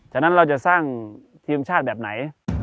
ฉะนั้นเราจะสร้างทีมชาติแบบไหน